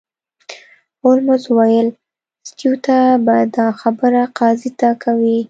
هولمز وویل سټیو ته به دا خبره قاضي ته کوې